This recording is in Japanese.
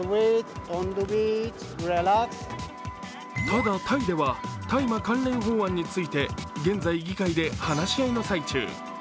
ただ、タイでは大麻関連法案について現在、議会で話し合いの最中。